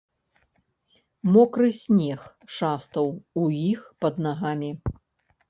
Мокры снег шастаў у іх пад нагамі.